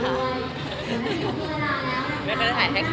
ไม่ค่อยได้ถ่ายให้ใครใช่ไหมค่ะ